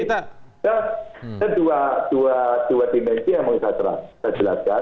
ada dua dimensi yang mau saya jelaskan